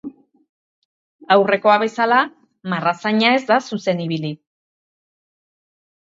Aurrekoa bezala, marrazaina ez da zuzen ibili.